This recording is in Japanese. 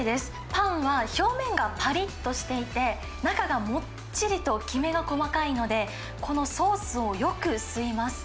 パンは表面がぱりっとしていて、中がもっちりときめが細かいので、このソースをよく吸います。